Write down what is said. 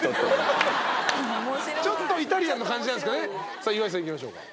さあ岩井さんいきましょうか。